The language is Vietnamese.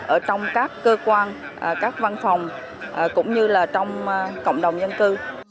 ở trong các cơ quan các văn phòng cũng như là trong cộng đồng dân cư